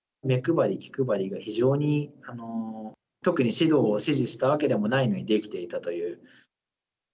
目配り、気配りが非常に、特に指導を指示したわけでもないのにできていたという。